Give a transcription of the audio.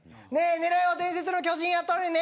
狙いは伝説の巨人やったのにね。